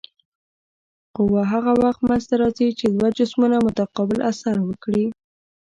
قوه هغه وخت منځته راځي چې دوه جسمونه متقابل اثر وکړي.